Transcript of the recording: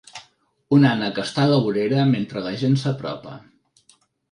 Un ànec està a la vorera mentre la gent s'apropa.